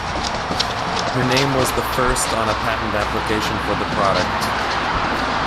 Her name was the first on a patent application for the product.